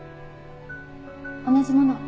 同じものを。